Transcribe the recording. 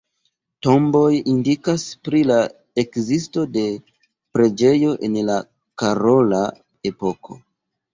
Tomboj indikas pri la ekzisto de preĝejo en la karola epoko.